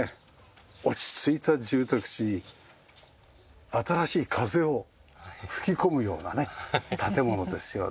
落ち着いた住宅地に新しい風を吹き込むようなね建物ですよね。